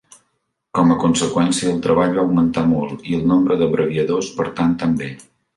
Com a conseqüència, el treball va augmentar molt, i el nombre d'abreviadors per tant també.